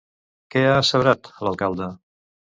Què ha asseverat, l'alcalde?